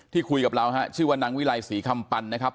คุยกับเราฮะชื่อว่านางวิลัยศรีคำปันนะครับ